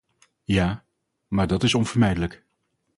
Ja, maar dat is onvermijdelijk.